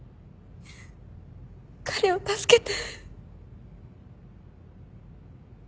彼を助けて。